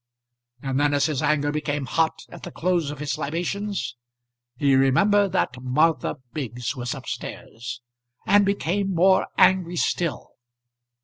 And then as his anger became hot at the close of his libations, he remembered that Martha Biggs was up stairs, and became more angry still.